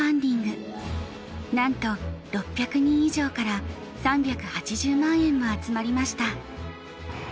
なんと６００人以上から３８０万円も集まりました。